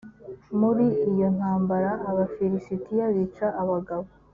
muri iyo ntambara abafilisitiya bica abagabo